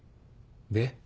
で？